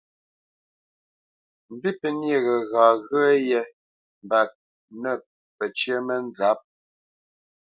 Mbî pə́ nyê ghəgha ghyə́yé mba nə̂ pəcyə́ mənzǎp.